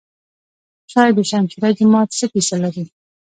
شاه دوشمشیره جومات څه کیسه لري؟